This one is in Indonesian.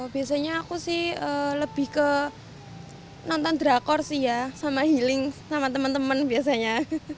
biasanya aku sih lebih ke nonton drakor sih ya sama healing sama teman teman biasanya